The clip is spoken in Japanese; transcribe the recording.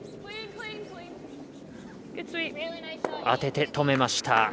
当てて止めました。